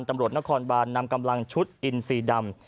ตำรวจนครบานนำกำลังชุดอินซีดำ